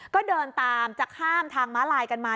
ก็เดินตามจะข้ามทางม้าลายกันมา